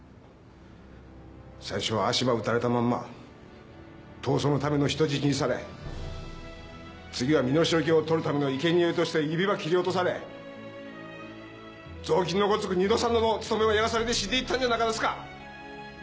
最初は足ば撃たれたまんま逃走のための人質にされ次は身代金を取るための生贄として指ば切り落とされ雑巾のごとく二度三度のお務めをやらされて死んでいったんじゃなかですか！